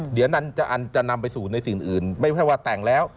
เดี๋ยวอันจะนำไปสู่ในสิ่งอื่นไม่ใช่ว่าแต่งแล้ว